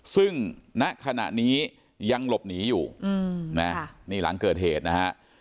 ซึ่งณขณะนี้ยังหลบหนีอยู่นี่หลังเกิดเหตุนะฮะ